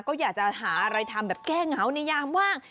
ก็อยากจะหาอะไรทำแบบแก้เหงาในยามว่าง